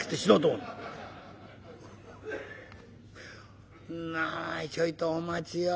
「お前ちょいとお待ちよ。